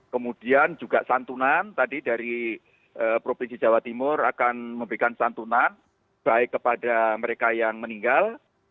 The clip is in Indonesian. kemudian juga santunan tadi dari provinsi jawa timur akan memberikan santunan baik kepada mereka yang meninggal